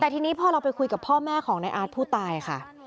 แต่ทีนี้พอเราไปคุยกับพ่อแม่ของนายอาร์ตผู้ตายค่ะ